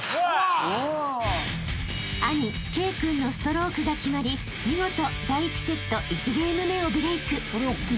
［兄経君のストロークが決まり見事第１セット１ゲーム目をブレイク］